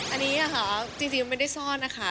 อันนี้ค่ะจริงไม่ได้ซ่อนนะคะ